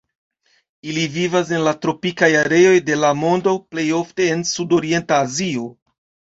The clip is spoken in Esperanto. Ili vivas en la tropikaj areoj de la mondo, plej ofte en sudorienta Azio.